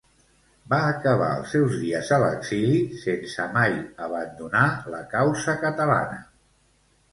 Va acabar els seus dies a l'exili sense mai abandonar la causa catalana.